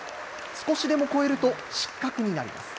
少しでも超えると、失格になります。